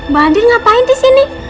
bandin ngapain disini